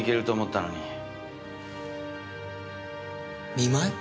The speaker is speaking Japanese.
見舞い？